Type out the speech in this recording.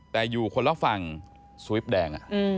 แต่อยู่คนละฝั่งสวิปแดง